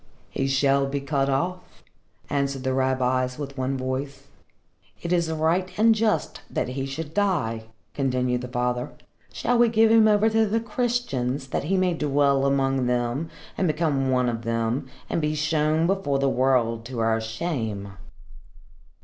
"He shall be cut off," answered the rabbis with one voice. "It is right and just that he should die," continued the father. "Shall we give him over to the Christians that he may dwell among them and become one of them, and be shown before the world to our shame?"